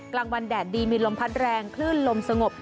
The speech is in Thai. กลางวันแดดดีมีลมพัดแรงคลื่นลมสงบ